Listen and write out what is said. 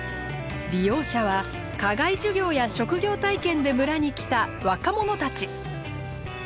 利用者は課外授業や職業体験で村に来た若者たち。